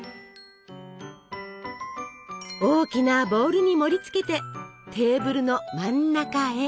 大きなボウルに盛りつけてテーブルの真ん中へ。